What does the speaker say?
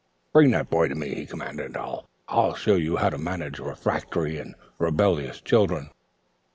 "Bring that boy to me," he commanded. "I'll show you how to manage refractory and rebellious children."